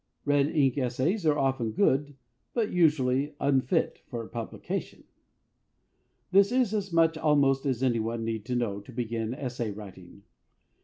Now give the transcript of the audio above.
Red ink essays are often good, but usually unfit for publication. This is as much almost as anyone need know to begin essay writing.